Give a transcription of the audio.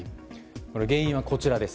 原因はこちらです。